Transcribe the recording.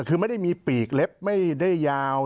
คือไม่ได้มีปีกเล็บไม่ได้ยาว